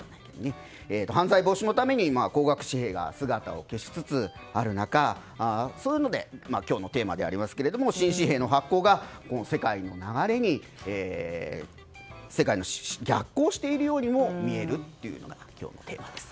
犯罪防止のために高額紙幣が姿を消しつつある中今日のテーマでありますが新紙幣の発行が世界の流れに逆行しているようにも見えるというのが今日のテーマです。